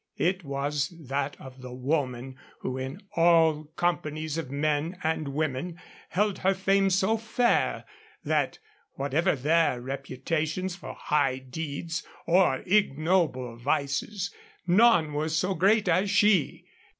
It was that of the woman who in all companies of men and women held her fame so fair that, whatever their reputations for high deeds or ignoble vices, none was so great as she.